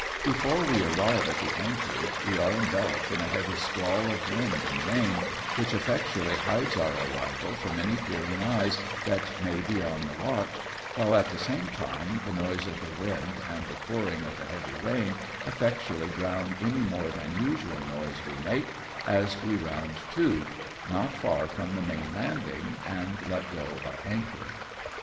Before we arrive at the anchorage we are enveloped in a heavy squall of wind and rain, which effectually hides our arrival from any peering eyes that may be on the watch, while at the same time the noise of the wind and the pouring of the heavy rain eilectuaUy drown any more than usual noise we make as we round to, not far from the main landing, and let go our anchor.